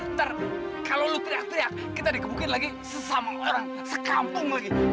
ntar kalau lu teriak teriak kita dikebukin lagi sesama orang sekampung lagi